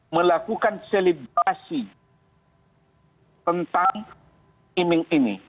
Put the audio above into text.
melakukan selibasi tentang iming ini